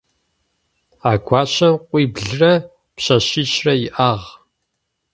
А гуащэм къуиблырэ пшъэшъищрэ иӏагъ.